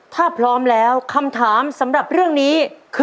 ถ้าพร้อมแล้วคำถามสำหรับเรื่องนี้คือ